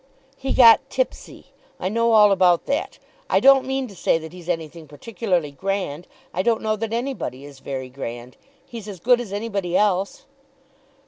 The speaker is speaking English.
"He got tipsy. I know all about that. I don't mean to say that he's anything particularly grand. I don't know that anybody is very grand. He's as good as anybody else."